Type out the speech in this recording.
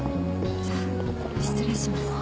じゃあ失礼します。